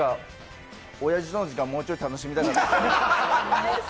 親父との時間、もうちょっと楽しみたかった。